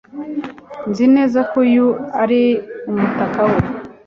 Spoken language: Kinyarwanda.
Nzi neza ko uyu ari umutaka we